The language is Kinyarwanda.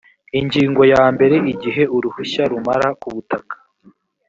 ingingo ya mbere igihe uruhushya rumara kubutaka